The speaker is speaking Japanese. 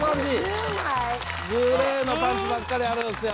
５０枚⁉グレーのパンツばっかりあるんすよ。